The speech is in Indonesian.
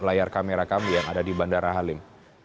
layar kamera kami yang ada di bandara halim